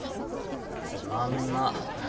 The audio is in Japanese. つまんなっ。